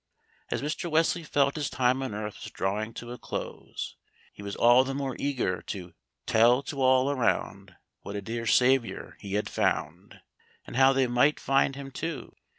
As Mr. Wesley felt his time on earth was drawing to a close, he was all the more eager to "tell to all around, what a dear Saviour he had found," and how they might find Him too.